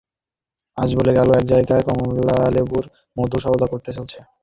আজ বলে গেল, এক জায়গায় কমলালেবুর মধুর সওদা করতে চলেছে।